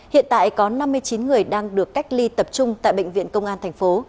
hiện tại có năm mươi chín người đang được cách ly tập trung tại bệnh viện công an thành phố